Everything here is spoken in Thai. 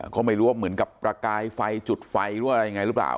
เขาไม่รู้ว่าเหมือนกับประกายไฟจุดไฟหรืออะไรยังไงหรือเปล่า